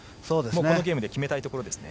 このゲームで決めたいところですね。